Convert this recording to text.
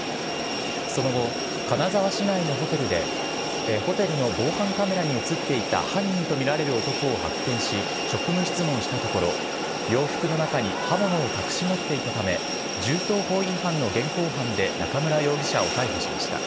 その後、金沢市内のホテルで、防犯カメラに写っていた犯人と見られる男を発見し、職務質問したところ、洋服の中に刃物を隠し持っていたため、銃刀法違反の現行犯で中村容疑者を逮捕しました。